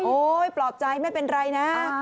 ปลอบใจไม่เป็นไรนะ